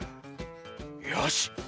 よし！